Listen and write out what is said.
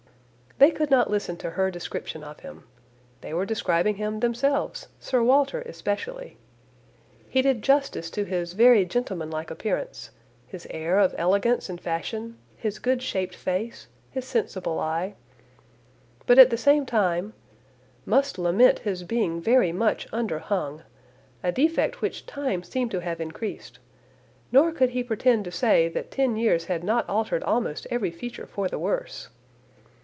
They could not listen to her description of him. They were describing him themselves; Sir Walter especially. He did justice to his very gentlemanlike appearance, his air of elegance and fashion, his good shaped face, his sensible eye; but, at the same time, "must lament his being very much under hung, a defect which time seemed to have increased; nor could he pretend to say that ten years had not altered almost every feature for the worse.